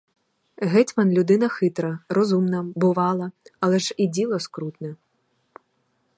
Гетьман людина хитра, розумна, бувала, але ж і діло скрутне.